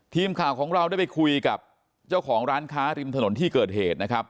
ทีมข่าวของเราได้ไปคุยกับเจ้าของร้านค้าริมถนนที่เกิดเหตุนะครับ